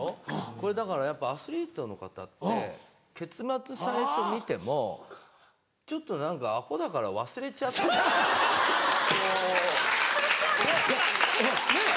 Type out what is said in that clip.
これだからやっぱアスリートの方って結末最初見てもちょっと何かアホだから忘れちゃって。ねぇ。